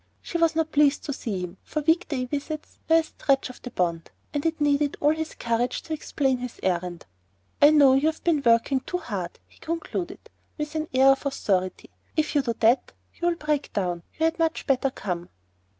She was not pleased to see him; for week day visits were a stretch of the bond; and it needed all his courage to explain his errand. "I know you've been working too hard," he concluded, with an air of authority. "If you do that, you'll break down. You had much better come."